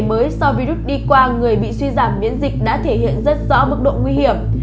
mới so virus đi qua người bị suy giảm biến dịch đã thể hiện rất rõ mức độ nguy hiểm